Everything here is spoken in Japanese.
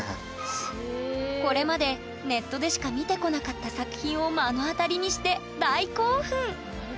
これまでネットでしか見てこなかった作品を目の当たりにして大興奮！